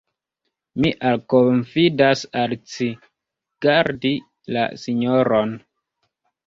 Mi alkonfidas al ci, gardi la sinjoron.